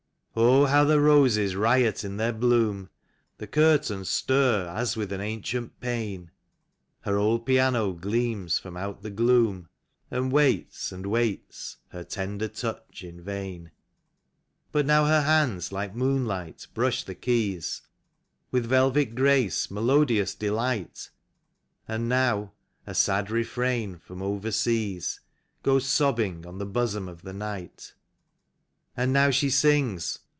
Oh, how the roses riot in their bloom ! The curtains stir as with an ancient pain; Her old piano gleams from out the gloom. And waits and waits her tender touch in vain. 50 MUSIC IN THE BUSH. But now her hands like moonlight brush the keys With velvet grace, melodious delight; And now a sad refrain from overseas Goes sobbing on the bosom of the night. And now she sings.